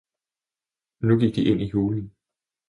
Nu gik de ind i hulen!